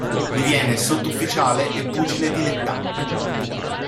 Diviene sottufficiale e pugile dilettante.